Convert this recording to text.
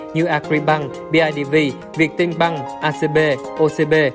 như agribank bidv việt tinh bank acb ocb